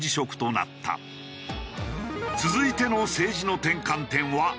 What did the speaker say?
続いての政治の転換点は。